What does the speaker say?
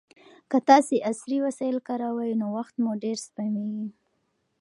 که تاسي عصري وسایل وکاروئ نو وخت مو ډېر سپمېږي.